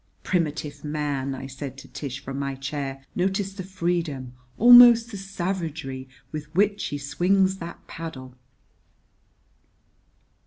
"Primitive man!" I said to Tish, from my chair. "Notice the freedom, almost the savagery, with which he swings that paddle."